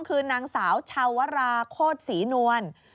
คือนางสาวชาวราโคตรศรีนวล